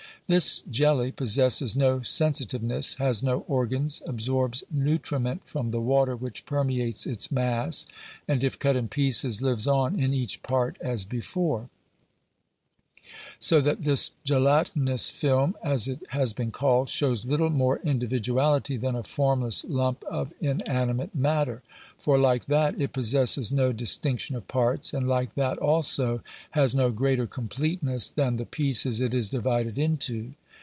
This jelly possesses no sensitiveness, has no organs, absorbs nutriment from the water which permeates its mass, and, if cut in pieces, lives on, in each part, as before. Digitized by VjOOQIC GENERAL CONSIDERATIONS. 437 So that this "gelatinous film," as it has been called, shows little more individuality than a formless lump of inanimate matter ; for, like that, it possesses no distinction of parts, and, like that also, has no greater completeness than the pieces it is divided into.